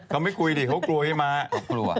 เขาไม่คุยดิเขากลัวให้มา